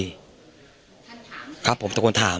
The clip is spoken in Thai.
ท่านถามครับครับผมตะวนถาม